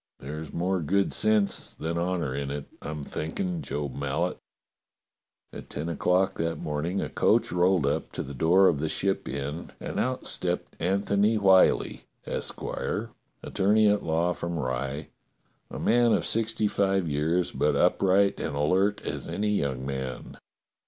There's more good sense than honour in it, I'm thinking, Job Mallet." At ten o'clock that morning a coach rolled up to the door of the Ship Inn and out stepped Antony Whyllie, 220 DOCTOR SYN Esq., attorney at law from Rye, a man of sixty five years, but upright and alert as any young man.